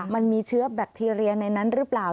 มันมีเชื้อแบคทีเรียในนั้นหรือเปล่า